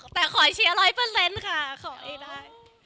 แต่ขอเชียร์๑๐๐ค่ะขอให้ได้